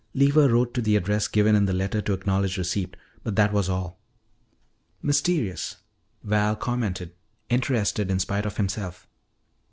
Lever wrote to the address given in the letter to acknowledge receipt, but that was all." "Mysterious," Val commented, interested in spite of himself.